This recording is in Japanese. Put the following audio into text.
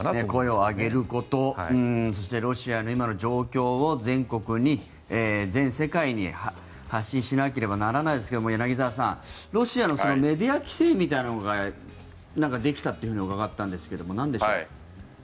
声を上げることそして、ロシアの今の状況を全国に、全世界に発信しなければならないですが柳澤さん、ロシアのメディア規制みたいなものができたというふうに伺ったんですが、なんでしょう？